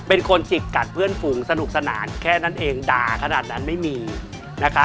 เป็นคนจิกกัดเพื่อนฝูงสนุกสนานแค่นั้นเองด่าขนาดนั้นไม่มีนะคะ